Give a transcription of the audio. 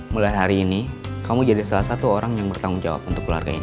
mulai hari ini kamu jadi salah satu orang yang bertanggung jawab untuk keluarga ini